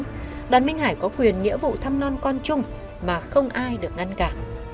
nhưng đoàn minh hải có quyền nghĩa vụ thăm non con chung mà không ai được ngăn cả